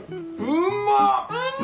うんまっ！